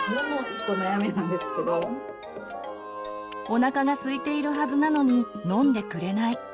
おなかがすいているはずなのに飲んでくれない。